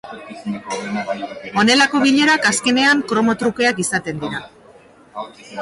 Honelako bilerak azkenean kromo trukeak izaten dira.